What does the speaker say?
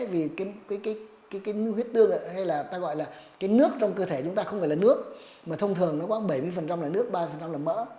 vì nước trong cơ thể chúng ta không phải là nước mà thông thường bảy mươi là nước ba mươi là mỡ